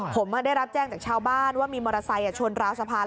ผมได้รับแจ้งจากชาวบ้านว่ามีมอเตอร์ไซค์ชนราวสะพาน